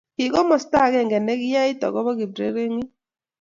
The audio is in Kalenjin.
Ki komosta agenge negiyait agoba kiprengrengit